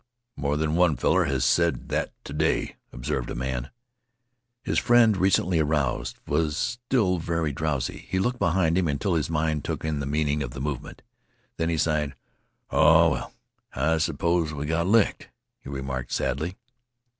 "More than one feller has said that t' day," observed a man. His friend, recently aroused, was still very drowsy. He looked behind him until his mind took in the meaning of the movement. Then he sighed. "Oh, well, I s'pose we got licked," he remarked sadly.